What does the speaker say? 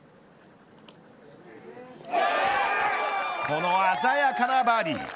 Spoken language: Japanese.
この鮮やかなバーディー。